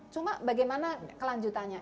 cuma bagaimana kelanjutannya